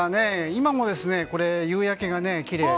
今も夕焼けがきれい。